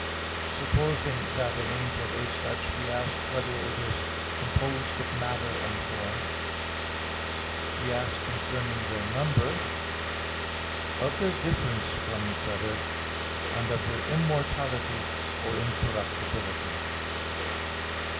(2) Supposing that an angel is such, we ask whether it is composed of matter and form? (3) We ask concerning their number. (4) Of their difference from each other. (5) Of their immortality or incorruptibility.